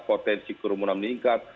potensi kerumunan meningkat